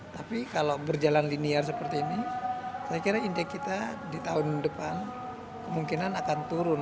tapi kalau berjalan linier seperti ini saya kira indeks kita di tahun depan kemungkinan akan turun